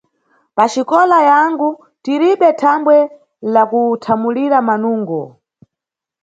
Paxikola yangu tiribe thambwe la kuthamulira manungo